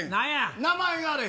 名前があらへん。